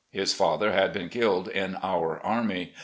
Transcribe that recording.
His father had been killed in our army.